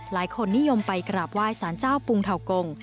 หลายคนนิยมไปกราบไหว้สารเจ้าปุงเทากง